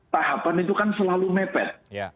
tahapan itu kan selalu mepet